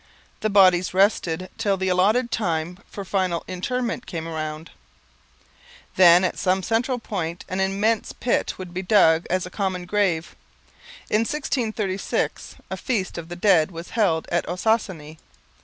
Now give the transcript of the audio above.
The bodies rested till the allotted time for final interment came round. Then at some central point an immense pit would be dug as a common grave. In 1636 a Feast of the Dead was held at Ossossane.